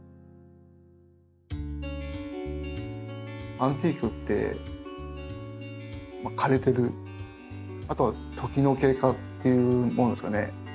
アンティークって枯れてるあとは時の経過っていうものですかね古いもの。